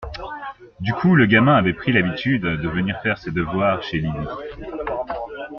Du coup le gamin avait pris l’habitude de venir faire ses devoirs chez Lydie.